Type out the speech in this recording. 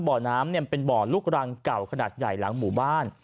บ่อน้ำเป็นบ่อลูกรังเก่าขนาดใหญ่หลังหมู่บ้าน